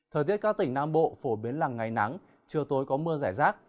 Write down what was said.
thời tiết các tỉnh nam bộ phổ biến là ngày nắng chiều tối có mưa rải rác